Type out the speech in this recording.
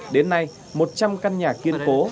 đến nay một trăm linh căn nhà kiên cố